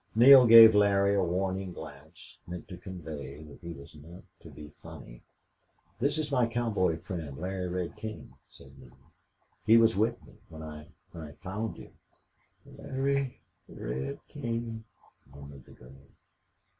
Neale gave Larry a warning glance, meant to convey that he was not to be funny. "This is my cowboy friend, Larry Red King," said Neale. "He was with me when I I found you." "Larry Red King," murmured the girl.